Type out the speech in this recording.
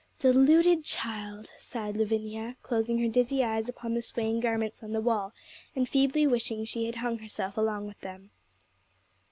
'Deluded child!' sighed Lavinia, closing her dizzy eyes upon the swaying garments on the wall, and feebly wishing she had hung herself along with them.